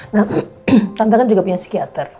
nah tante kan juga punya psikiater